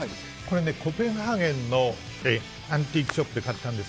コペンハーゲンのアンティークショップで買ったんです。